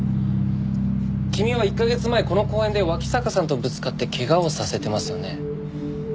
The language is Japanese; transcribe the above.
君は１カ月前この公園で脇坂さんとぶつかって怪我をさせてますよね。